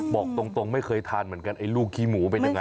บอกตรงไม่เคยทานเหมือนกันไอ้ลูกขี้หมูเป็นยังไง